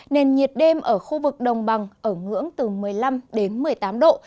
nền nhiệt đêm ở khu vực đồng bằng ở ngưỡng từ một mươi năm đến một mươi tám độ